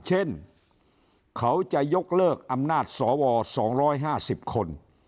เช่นเขาจะยกเลิกอำนาจสว๒๕๐คน